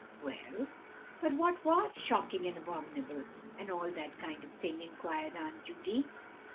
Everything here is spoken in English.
"Well, but what was shocking, and abominable, and all that kind of thing?" inquired Aunt Judy.